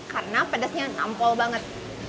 karena pedasnya ampol banget